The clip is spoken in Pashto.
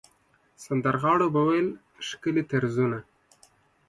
سندرغاړو به ویل ښکلي طرزونه.